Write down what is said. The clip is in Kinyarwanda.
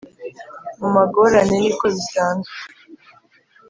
Mu magorane niko bisanzwe :